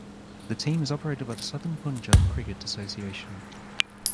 The team is operated by the Southern Punjab Cricket Association.